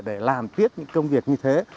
để làm tiếp những công việc như thế